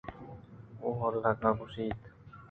اولگاءَ گوٛشت